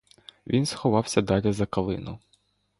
Він сховався далі за калину.